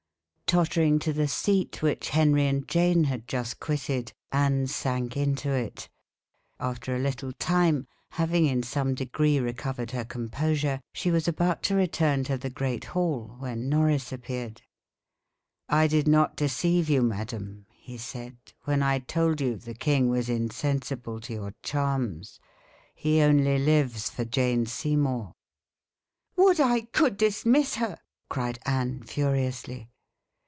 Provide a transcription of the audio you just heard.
Tottering to the seat which Henry and Jane had just quitted, Anne sank into it. After a little time, having in some degree recovered her composure, she was about to return to the great hall, when Norris appeared. "I did not deceive you, madam," he said, "when I told you the king was insensible to your charms; he only lives for Jane Seymour." "Would I could dismiss her!" cried Anne furiously.